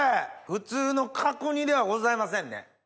普通の角煮ではございませんね。